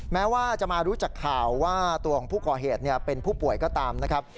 แม้ว่าจะมารู้จักข่าวว่าตัวของผู้ก่อเหตุเป็นผู้ป่วยก็ตามนะครับ